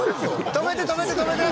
止めて止めて止めて！